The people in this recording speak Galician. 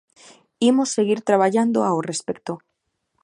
Imos seguir traballando ao respecto.